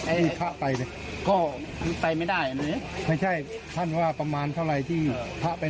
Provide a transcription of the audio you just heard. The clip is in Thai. อ่าใหญ่ต้องรอดไปต้องรอดไปตำรอดไป